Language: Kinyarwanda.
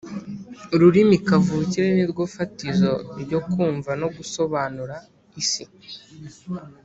Ururimi kavukire ni rwo fatizo ryo kumva no gusobanura isi.